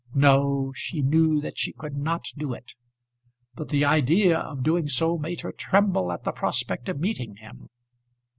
No. She knew that she could not do it. But the idea of doing so made her tremble at the prospect of meeting him.